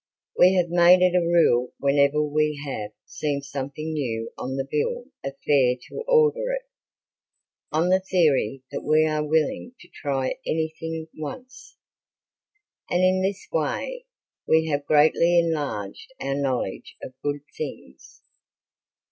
We have made it a rule whenever we have seen something new on the bill of fare to order it, on the theory that we are willing to try anything once, and in this way we have greatly enlarged our knowledge of good things.